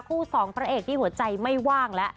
สองพระเอกที่หัวใจไม่ว่างแล้ว